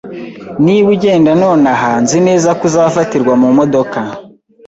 Niba ugenda nonaha, nzi neza ko uzafatirwa mumodoka